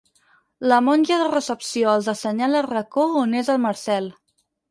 La monja de recepció els assenyala el racó on és el Marcel.